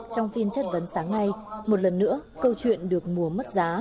trong phiên chất vấn sáng nay một lần nữa câu chuyện được mùa mất giá